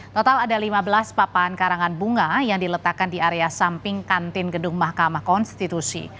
total ada lima belas papan karangan bunga yang diletakkan di area samping kantin gedung mahkamah konstitusi